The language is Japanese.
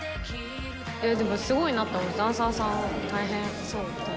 でもすごいなと思いました、ダンサーさん、大変そう。